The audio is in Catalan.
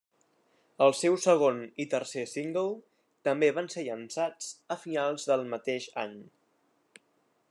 El seu segon i tercer single, també van ser llençats a finals del mateix any.